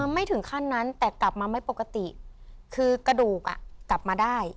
ไม่ถึงขั้นนั้นแต่กลับมาไม่ปกติคือกระดูกกลับมาได้